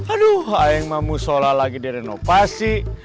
aduh ayang mau sholat lagi di renovasi